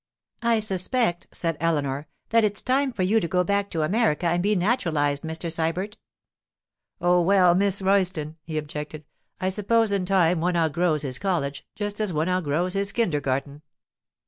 'I suspect,' said Eleanor, 'that it's time for you to go back to America and be naturalized, Mr. Sybert.' 'Oh, well, Miss Royston,' he objected, 'I suppose in time one outgrows his college, just as one outgrows his kindergarten.